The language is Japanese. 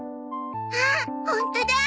あっホントだ。